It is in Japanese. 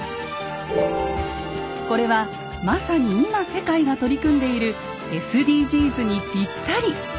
これはまさに今世界が取り組んでいるＳＤＧｓにぴったり。